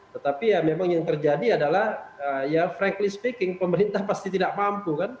tetapi ya memang yang terjadi adalah ya frankly speaking pemerintah pasti tidak mampu kan